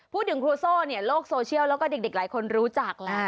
ครูโซ่เนี่ยโลกโซเชียลแล้วก็เด็กหลายคนรู้จักแล้ว